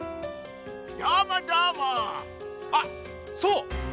あっそう。